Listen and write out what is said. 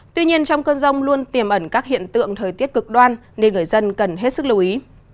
tuy nhiên trong cơn rông luôn tiềm ẩn các hiện tượng thời tiết cực đoan nên người dân cần hết sức lưu ý